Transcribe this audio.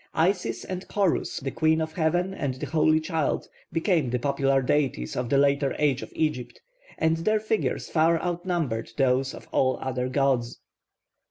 Isis and Horus, the Queen of Heaven and the Holy Child, became the popular deities of the later age of Egypt, and their figures far outnumber those of all other gods.